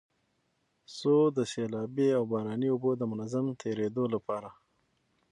څو د سيلابي او باراني اوبو د منظم تېرېدو لپاره